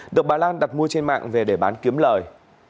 được bà lan đặt mua trên mạng về để bán kiếm lời